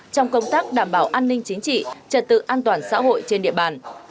trong công tác đảm bảo an ninh chính trị trật tự an toàn xã hội trên địa bàn